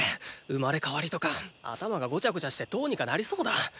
生まれ変わりとか頭がゴチャゴチャしてどーにかなりそうだ！